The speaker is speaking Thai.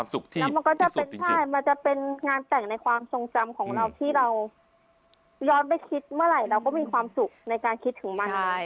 แล้วมันก็จะเป็นใช่มันจะเป็นงานแต่งในความทรงจำของเราที่เราย้อนไปคิดเมื่อไหร่เราก็มีความสุขในการคิดถึงมัน